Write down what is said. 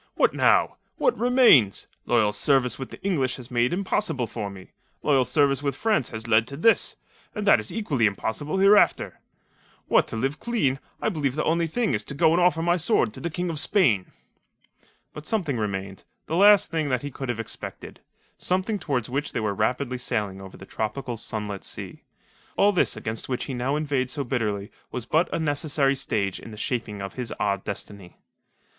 "What now? What remains? Loyal service with the English was made impossible for me. Loyal service with France has led to this; and that is equally impossible hereafter. What to live clean, I believe the only thing is to go and offer my sword to the King of Spain." But something remained the last thing that he could have expected something towards which they were rapidly sailing over the tropical, sunlit sea. All this against which he now inveighed so bitterly was but a necessary stage in the shaping of his odd destiny.